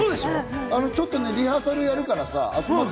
ちょっとリハーサルやるからって。